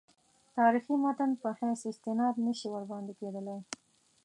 تاریخي متن په حیث استناد نه شي ورباندې کېدلای.